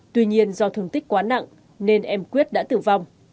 tuy nhiên do thương tích quá nặng nên em quyết đã tử vong